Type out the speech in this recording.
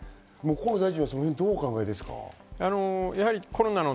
河野大臣はそのへんをどうお考えですか？